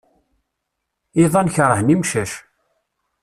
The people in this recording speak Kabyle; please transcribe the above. Iḍan kerhen imcac.